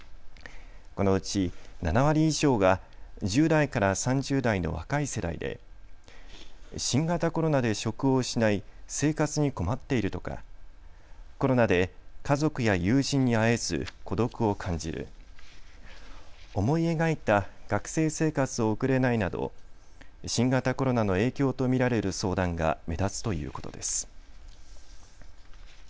このうち７割以上が１０代から３０代の若い世代で新型コロナで職を失い生活に困っているとか、コロナで家族や友人に会えず孤独を感じる、思い描いた学生生活を送れないなど新型コロナの影響と見られる相談が目立つということです。